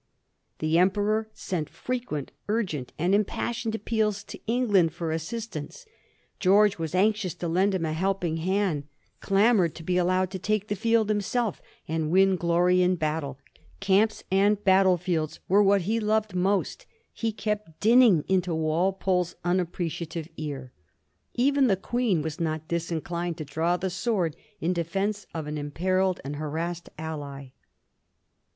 The Emperor sent frequent urgent and impas sioned appeals to England for assistance. George was anxious to lend him a helping hand, clamored to be al lowed to take the field himself and win glory in battle ; camps and battle fields were what he loved most, he kept dinning into Walpole's unappreciative ear. Even the Queen was not disinclined to draw the sword in defence of an imperilled and harassed ally.